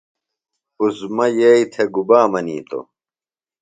عظمیٰ یئی تھےۡ گُبا منِیتوۡ؟